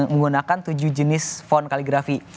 menggunakan tujuh jenis fond kaligrafi